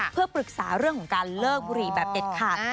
เพื่อปรึกษาเรื่องของการเลิกบุหรี่แบบเด็ดขาด